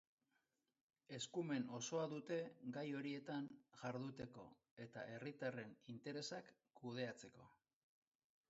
Eskumen osoa dute gai horietan jarduteko, eta herritarren interesak kudeatzeko.